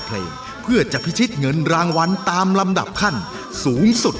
ฟื้น้ำเนี้ย